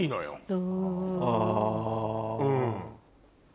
うん。